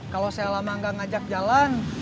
kalau saya lama nggak ngajak jalan